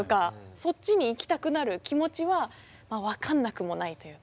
そっちに行きたくなる気持ちは分かんなくもないというか。